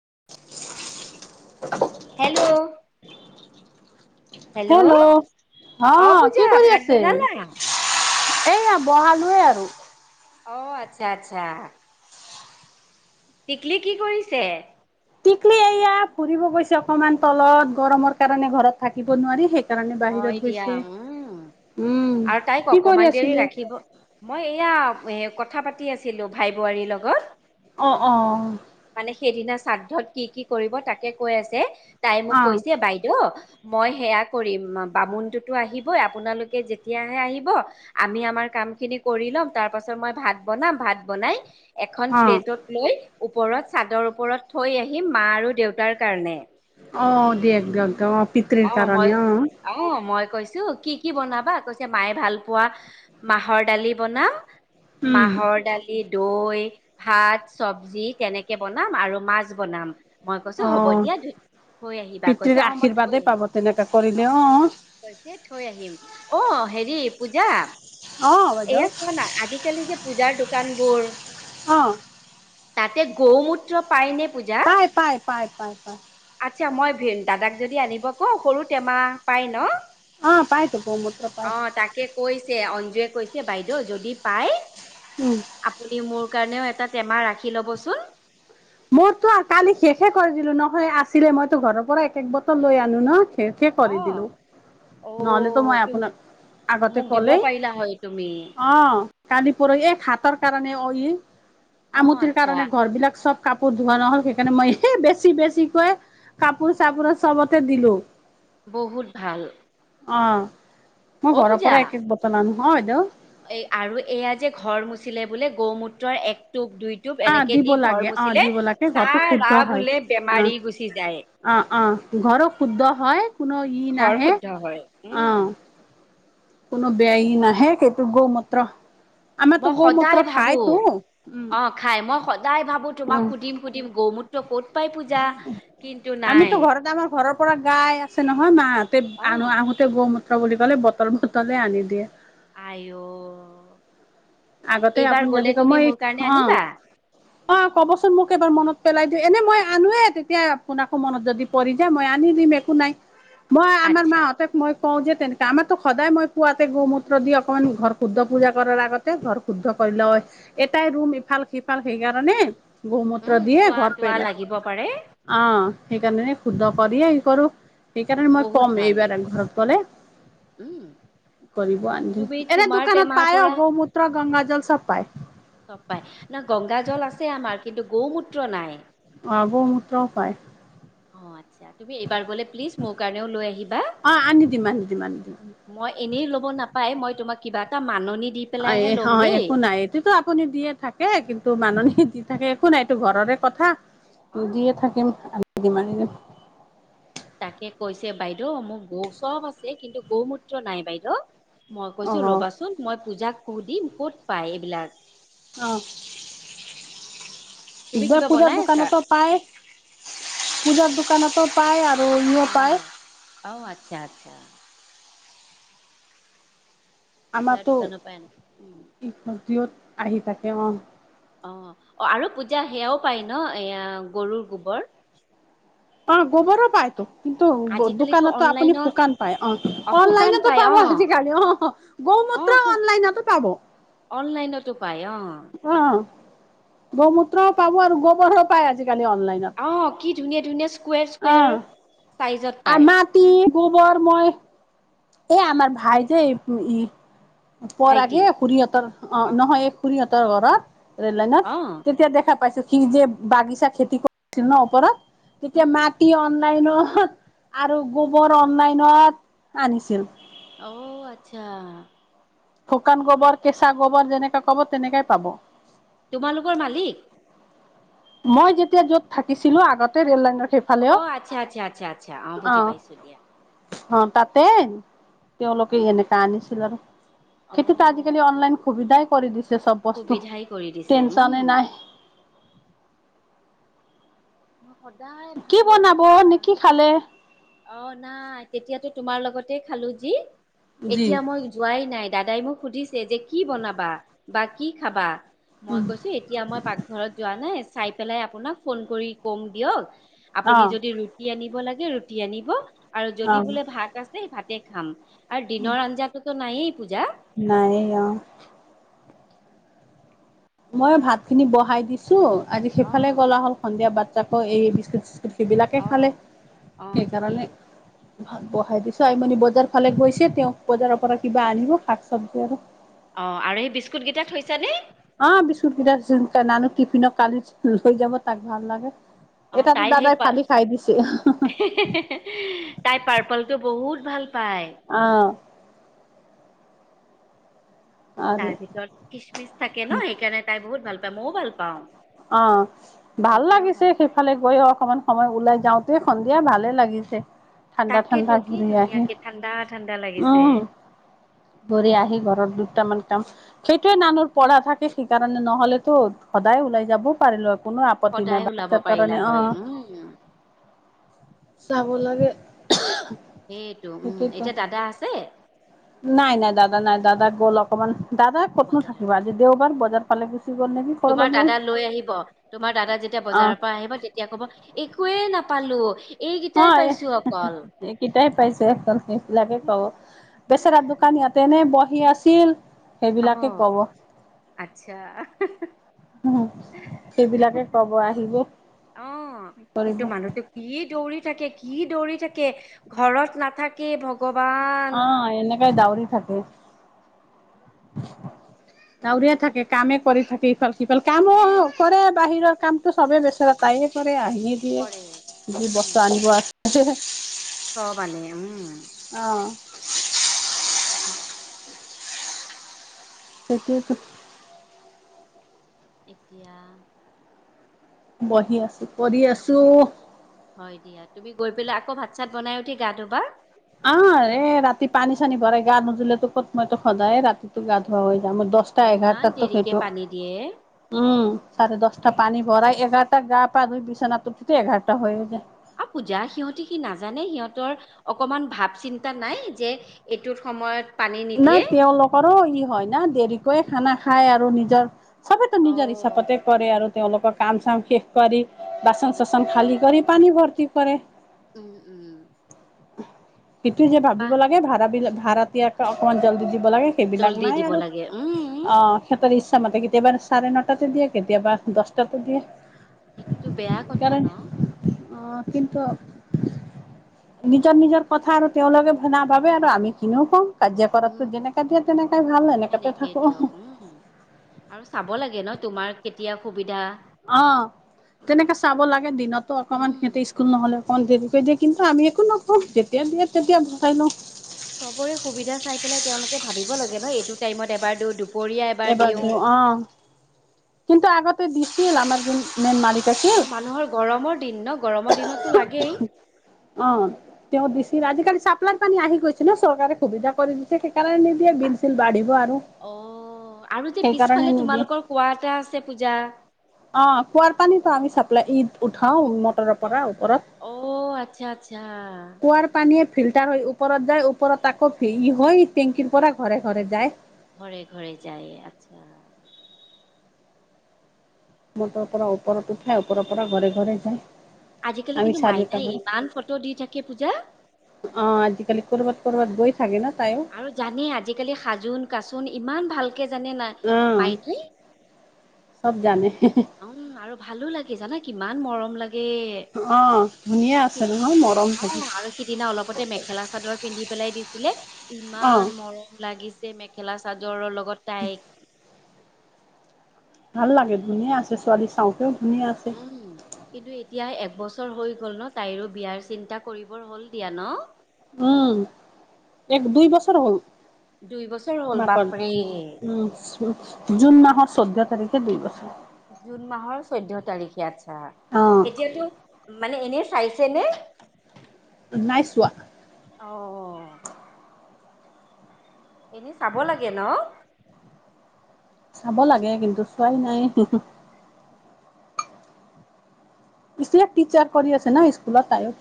[unintelligible] Hello hello অ অ পূজা কি কৰি ভাত আছে বনালা? এইয়া বহালোৱে আৰু অ আচ্ছা আচ্ছা টিকলি কি কৰিছে টিকলি এয়া ফুৰিব গৈছে অকণমান তলত গৰমৰ কাৰণে ঘৰত থাকিব নোৱাৰি সে হয় দিয়া উম উম আৰু তাইক কি কৰি অকমান দেৰি আছিলে ৰাখিব মই এয়া এ কথা পাতি আছিলো ভাই বোৱাৰীৰ লগত অ অ মানে সেইদিনা শ্ৰাদ্ধত কি কি কৰিব তাকে কৈ আছে তাই মোক অ কৈছে বাইদেউ মই সেয়া কৰিম বামুন টোতো আহিবই আপোনালোকে যেতিয়া আহে আহিব আমি আমাৰ কাম খিনি কৰি লম তাৰ তাৰ পাছত মই ভাত বনাম ভাত বনাই এখন অ পেলেটত লয় ওপৰত চাদৰ ওপৰত থৈ আহিম মা আৰু দেউতাৰ কাৰণে অ দিয় [inaudible] অ পিতৃৰ কাৰণে অ কৈছো কি কি বনাবা কৈছে মায়ে ভাল পোৱা মাহৰ দালি বনাম উম মাহৰ দালি দৈ ভাত চবজি তেনেকে বনাম আৰু মাছ বনাম মই কৈছো অ হ'ব দিয়া থয় আহিবা পিতৃৰ কৈছে অ মই আশীৰ্বাদে থৈ পাব তেনেকে কৰিলে আহিম অ কৈছে থৈ আহিম অ অ হেৰি পূজা অ বাইদেউ এয়া ক ন আজিকালি যে পূজাৰ দোকানবোৰ অ তাতে গৌমূত্ৰ পাই নে পূজা পায় পায় পায় পায় পায় আচ্ছা মই ভ দাদাক যদি আনিব ক সৰু টেমা পাই ন অ পাই তো গৌমূত্ৰ পাই অ তাকে কৈয় অঞ্জুৱে কৈছে বাইদেউ যদি পাই উম আপুনি মোৰ কাৰণেও এটা টেমা ৰাখি ল'বচোন মোৰতো কালি শেষহে কৰি দিলো নহয় আছিলে মইতো ঘৰৰ পৰা এক বটল লৈ আনো ন শেষে কৰি অ দিলোঁ অ নহ'লেতো মই তুমি আপোনাক আগতে মোক দিব ক'লেই পাৰিলা হয় তুমি অ কালি পৰহি এই হাতৰ কাৰণে অ অ আমঠিৰ আচ্ছা কাৰণে ঘৰ বিলাক চব কাপোৰ ধোৱা নহ'ল সেইকাৰণে মই এই বেছি বেছিকৈ কাপোৰ চাপোৰ চবতে দিলো বহুত ভাল অ মই ঘৰৰ পৰা এক এক বটল আনো হ বাইদেউ এ আৰু এয়া যে ঘৰ মুচিলে বোলে গৌমূত্ৰৰ এক টোপ দুই অ এনেকে দিব দি ঘৰ লাগে অ মুচিলে দিব লাগে ঘৰটো চাহ শুদ্ধ ৰা হয় বোলে অ বেমাৰি গুচি যায় অ অ ঘৰো শুদ্ধ হয় কোনো ই ঘৰ নাহে শুদ্ধ হয় অ উম কোনো বেই মই নাহে তাক সেইটো গৌমূত্ৰ মই আমাৰতো সদায় গৌমূত্ৰ ভাবো খাইতো উম অ খাই মই সদায় ভাবো তোমাক সুধিম সুধিম গৌমূত্ৰ ক'ত পাই পূজা কিন্তু নাই আমিতো ঘৰতে আমাৰ ঘৰৰ পৰা গাই আছে নহয় মাহঁতে অ আনো আহোতে গৌমূএ বুলি ক'লে বটল বটলে আনি দিয়ে আই অ আগতে এইবাৰ আপুনি গ'লে যদি ক তুমি মই মোৰ কাৰণে অ আনিবা অ কবচোন মোক এবাৰ মনত পেলাই দি এনে মই আনোৱে তেতিয়া আপোনাকো মনত যদি পৰি যায় মই আনি দিম একো নাই মই আমাৰ আচ্ছা মাহঁতক মই কওঁ যে তেনেকে আমাৰতো সদায় মই পুৱাতে গোমূত্ৰ দি অকমান ঘৰ শুদ্ধ পূজা কৰাৰ আগত ঘৰ শুদ্ধ কৰি লওঁ এটাই ৰুম ইফাল সিফাল সেইকাৰণে গোমূত্ৰ উম দি চোৱা ঘৰ তোৱা পেইলাক লাগিব পাৰে অ সেইকাৰণে শুদ্ধ কৰি কৰো সেইকাৰণে মই বহুত ক'ম ভাল এইবাৰ ঘৰত গ'লে উম কৰিব আনিম তুমি এনে তোমাৰ দোকানত টেমাৰ পায় অ গৌমুএ গংগাজল চব পায় চন পাই ন গংগাজল আছে আমাৰ কিন্তু গৌমূত্ৰ নাই গৌমূত্ৰও পায় অ আচ্ছা তুমি এইবাৰ গলে প্লিজ মোৰ কাৰণেও লৈ আহিবা অ আনি দিম আনি দিম আনি দিম মই এনেই ল'ব নাপাই মই তোমাক কিবা এটা মাননি দি অ পেলাইহে এ ল'ম অ দেই একো নাই এইটোটো আপুনি দিয়ে থাকে কিন্তু মাননি দি থাকে একো নাইতো ঘৰৰে কথা অ দিয়ে থাকিম দিম আহিলে তাকে কৈছে বাইদেউ মোৰ গৌ চব আছে কিন্তু গৌমূত্ৰ নাই বাইদেউ মই অ কৈছো ৰবাচোন মই পূজাক শুধিম কত পাই এইবিলাক অ তুমি [unintelligible] যে কিবা পূজাৰ বনাই আছা দোকানতো পায় পূজাৰ দোকানতো পায় আৰু। ইও অ পায় ঔ আচ্ছা আচ্ছা। পূজাৰ আমাৰটো দোকানৰ পৰা আনি উম ভিদিঅ'ত আহি থাকে অ। অ অ আৰু পূজা সেয়াও পায় ন এয়া গৰুৰ গোবৰ? অ গোবৰো পায়টো। কিন্তু আজিকালিতো দোকানতো আপুনি অনলাইনত শুকান পায় অ শুকান অনলাইনতো পাই পাব অ আজিকালি অ অ। অ শু [unintelligible] অনলাইনতো পাব। অনলাইনতো পায় অ। গমূত্ৰও পাব আৰু গোবৰও পায় আজিকালি অনলাইনত। অ কি ধুনীয়া ধুনীয়া স্কুৱেৰ স্কেৰ অ চাইজত পায়। মাটি গোবৰ মই এই আমাৰ ভাই যে ই ভাইটি পৰাগে খুৰীহঁতৰ অ নহয় খুৰীহঁতৰ ঘৰত ৰেল লাইনত অ তেতিয়া দেখা পাইছো সি যে বাগিচা খেতি কৰিছিল ন ওপৰত এতিয়া উম মাটি অনলাইনত আৰু গোবৰ অনলাইনত আনিছিল। অঔ আচ্ছা। শুকান গোবৰ, কেঁচা গোবৰ যেনেকাে কব তেনেকাই পাব। তোমালোকৰ মালিক? মই যেতিয়া য'ত থাকিছিলো আগতে ৰেল লাইন অ, আচ্ছা, আচ্ছা, আচ্ছা, আচ্ছা অ বুজি পাইছো দিয়া। অ, তাতে তেওঁলোকে এনেকা আনিছিল আৰু। অ খেতিতো আজিকালি অনলাইন সুবিধাই কৰি দিছে। চব বস্তু সুবিধাই কৰি দিছে টেনচনে উম নাই। মই সদায় কি ভাবো এইটো বনাব কথা নে কি খালে? অ, নাই তেতিয়াতো তোমাৰ লগতে খালো যি, জি এতিয়া মই যোৱাই নাই। দাদাই মোক সুধিছে যে কি বনাবা বা কি খাবা? মই উম। কৈছো এতিয়া মই পাকঘৰত যোৱা নাই চাই পেলাই আপোনাক ফোন কৰি কম দিয়ক। আপুনি অ', যদি ৰুটি আনিব লাগে ৰুটি আনিব আৰু যদি অ', বোলে ভাত আছে ভাতে খাম আৰু দিনৰ আঞ্জাতো নায়েই পূজা। নাই অ। মই এতিয়া ভাত খিনি বহাই দিছো আজি অ সেইফালে গলা হল সন্ধিয়া বাটাকৌ এই বিস্কুট সেইবিলাকে অ খালে অ সেইকাৰণে। ঠিকেই ভাত বহাই দিছো আই মি বজাৰ ফালে গৈছে তেওঁ বজাৰৰ পৰা কিবা আনিব শাক চব্জি আৰু। অ, আৰু সেই বিস্কুট কেইটা থৈছানে? বিস্কুত কেইটা নানু টিফিনত কালি লৈ যাব তাক ভাল লাগে। অ এটাতটো তাই সেই দাদাই পা ফালি খাই দিছিল। [unintelligible] তাই পাৰ্পলটো বহুত ভাল পায়। অ', তাৰ আৰু ভিতৰত খিচমিচ থাকে ন, সেইকাৰণে তাই বহুত ভাল পায় মইও ভাল পাওঁ। অ, ভাল অংকুৰেও লাগিছে ভাল পায়। সেইফালে গৈ অকমান সময় ওলাই। যাওঁতে সন্ধিয়া ভালে লাগিছে। ঠাণ্ডা ঠাণ্ডা তাকেতো কি ঘূৰি আহি ধুনীয়াকে ঠাণ্ডা, ঠাণ্ডা লাগিছে। ঘৰি আহি ঘৰত দুটামান সেইটোৱে নানুৰ পঢ়া থাকে সেইকাৰণে নহলেতো সদায় ওলাই যাবও পাৰিলো। কোনো আপত্তি সদায় নাই ওলাব বাচ্ছাৰ পাৰিলা কাৰণে হয় আহ। উম চাব লাগে। সেইটো উম সেইটতো এতিয়া দাদা আছে নাই, নাই দাদা নাই দাদা গ'ল অকমান দাদা কতনো বজাৰ থাকিবা আজি দেওবাৰ বজাৰ পালে কি তোমাৰ দাদা লৈ আহিব। তোমাৰ দাদা যেতিয়া অ', বজাৰৰ পৰা আহিব তেতিয়া কব একোৱয়ে নাপ পালো হয়, এইকেইটাই পাইছো এখন সেইবিলাকে কব। বেচেৰা দোকানী ইয়াতেনে বহি আছিল। সেইবিলাকে আহ, কব আচ্ছা। সেইবিলাকে কব আহিব। অ, কি কৰিব কিন্তু মানুহটো কি দৌৰি থাকে কি? কি দৌৰি থাকে। ঘৰত নাথাকে ভ অ, এনে কাই দাৱৰি থাকে। দউৰিয় থাকে কামে কৰি থাকে ইফাল। কিফাল কাম কৰে বাহিৰৰ কামটো সবে বেচৰে তাই। আহিয়ে দিয়ে কৰে যি বস্তা আনিব আছে। স'বানে উম। আহ। অ। সেইটোৱেইটো। এতিয়া। বহি আছো কৰি আছো। হয় দিয়া তুমি গৈ পেলাই আকৌ ভাত- চাত বনাই উঠি গা ধুবা? অ ৰাতি পানী- চানী ভৰাই গা নোধোলে ক'ত মইতো সদায় ৰাতিতো গা ধোৱা হয়। মই দ'হ টা আৰু ইমান এঘাৰটাততো দেৰিকে সেইটো। পানী দিয়ে উম' চাৰে দ'হ টা পানী ভৰাই এঘাৰটা গা পা ধুই বিছনাটো ঠিক কৰোতে এঘাৰটা হৈ যায়। অ পূজা সিহঁতে কি নাজানে সিহঁতৰ অকণমান ভাৱ চিন্তা নাই যে এইটোত সময়ত? পানী না নিদিয়ে তেওঁলোকৰো ই হয় না দেৰিকৈ খানা খাই আৰু নিজৰ- চবেই টো নিজৰ অ', হিচাপতে কৰে আৰু। তেওঁলোকৰ কাম- চাম শেষ কৰি বাচন- চাচন খালী কৰি পানী ভৰ্তি কৰে। উম' উম'। সিটো যে বা ভাবিব লাগে ভাড়া বিলাক ভাড়া দিয়া অকণমান জলদি দিব লাগে। সেইবিলাক জল্দি নাই দিব আৰু লাগে উম অঁ। সেই মতে কেতিয়াবা চাৰে নটা তো দিয়ে কেতিয়াবা দ'হটা তো দিয়ে। এইটো তো বেয়া কথা ন'? অঁ কিন্তু- নিজৰ নিজৰ কথা আৰু তেওঁলোকে শুনা বাবে আৰু আমি কিনোও কওঁ। যে কৰাতো উম যেনেকে দিয়ে তেনেকেই ভাল এনেকুৱা কে সেনেকে থাকক। দিয়ক উম আৰু চাব লাগে ন' তোমাৰ কেতিয়া সুবিধা। অঁ তেনেকে চাব লাগে দিনতো অকণমান উম সিহঁতে স্কুল ন'হলে অকণমান দেৰি কৰি দিয়ে। কিন্তু আমি- একো নকও যেতিয়া দিয়ে তেতিয়া ভৰাই লওঁ। চবৰে সুবিধা চাই পেলাই তেওঁলোকে ভাবিব লাগে ন' এইটো টাইমত এবাৰ দিওঁ। এবাৰ দিওঁ অঁ কিন্তু আগতে দিছিলে আমাক যে। আৰু মানুহৰ গৰমৰ দিন ন' গৰমৰ দিনতো লাগেই। অঁ তেওঁ দিছিল আজি কালি- চাপ্লাইৰ পানী আহি গৈছে ন' চৰকাৰে সুবিধা কৰি দিছে সেইকাৰণে নিদিয়ে বিল-চিল বাঢ়িব। আৰু। অ আৰু যে সেইকাৰণে পিছফালে নিদিয়ে তোমালোকৰ কুৱাঁ এটা আছে পূজা। অঁ কুঁৱাৰ পানী পৰা আমি চাপ্লাই ইদ উঠাওঁ। উন্নতৰ- অ পৰা অ আচ্ছা আচ্ছা ওপৰত কুৱাঁৰ পানীয়ে- ফিল্টাৰ হৈ ওপৰত যায় ওপৰত আকৌ হৈ টেংকিৰ পৰা ঘৰে ঘৰে যায়। ঘৰে ঘৰে যায় আচ্ছা। মটৰৰ পৰা ওপৰত উঠাই উম ওপৰৰ পৰা উম। ঘৰে ঘৰে যায়। আজিকালি আমি কিন্তু চাৰিওটা মাইনাই ইমান ফটো দি থাকে পূজা। অঁ আজিকালি কৰ'বাত কৰ'বাত গৈ থাকে। ন তাইও আৰু জানেই আজিকালি সাজোন, কাচোন ইমান ভাল- কে জানে নাই অ মাইনাই। চব জানে উম' আৰু ভালো লাগে জানা কিমান মৰম লাগে। অ ধুনীয়া আছে নহয় মৰম অ থাকে আৰু সিদিনা অলপতে মেখেলা চাদৰ পিন্ধি পেলাই দিছি- লে অ ইমান মৰম লাগিছে মেখেলা চাদৰৰ লগত তাইক। ভাল লাগে ধুনীয়া আছে ছোৱালী চাওঁতে। উম' কিন্তু এতিয়া- এবছৰ হৈ গ'ল ন' তাইৰো বিয়াৰ চিন্তা কৰিবৰ হ'ল দিয়া ন'। উম' এক, দুই বছৰ হ'ল। দুই বছৰ হ'ল বাপৰে উম' জুন মাহত- চৈধ্য তাৰিখে দুই বছৰ। জুন মাহৰ চৈধ্য তাৰিখে আচ্ছা। অ এতিয়াতো- মানে এনেই চাইছে নে? নাই চোৱা। অ এনেই চাব লাগে ন'? চাব লাগে কিন্তু চোৱাই নাই। পি টিচাৰ কৰি আছে ন স্কুলত তাইও